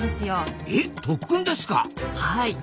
はい。